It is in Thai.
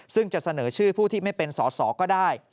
ซึ่งจะเสนอชื่อผู้ที่ไม่เป็นสอสอก็ได้